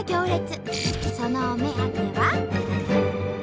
そのお目当ては。